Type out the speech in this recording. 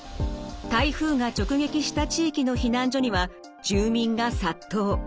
台風が直撃した地域の避難所には住民が殺到。